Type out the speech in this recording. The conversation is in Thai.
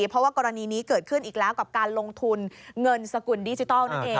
เพราะว่ากรณีนี้เกิดขึ้นอีกแล้วกับการลงทุนเงินสกุลดิจิทัลนั่นเอง